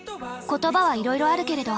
言葉はいろいろあるけれど。